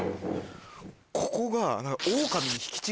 ここが。